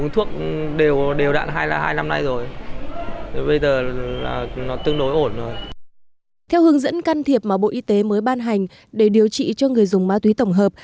theo hướng dẫn can thiệp mà bộ y tế mới ban hành để điều trị cho người dùng ma túy tổng hợp